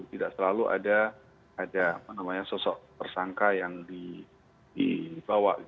tidak selalu ada sosok tersangka yang dibawa